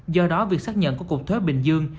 do đó việc xác nhận của cục thuế bình dương